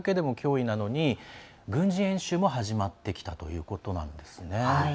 脅威なのに、軍事演習も始まってきたということなんですね。